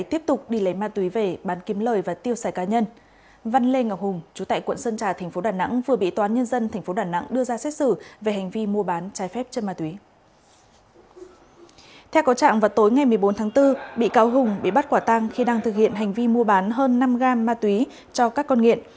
theo có trạng vào tối ngày một mươi bốn tháng bốn bị cáo hùng bị bắt quả tăng khi đang thực hiện hành vi mua bán hơn năm gram ma túy cho các con nghiện